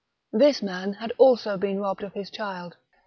This man had also been robbed of his child.